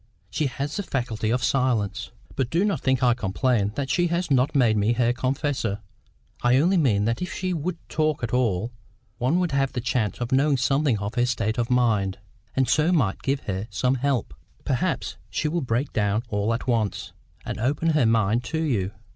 She has the faculty of silence." "But do not think I complain that she has not made me her confessor. I only mean that if she would talk at all, one would have a chance of knowing something of the state of her mind, and so might give her some help." "Perhaps she will break down all at once, and open her mind to you.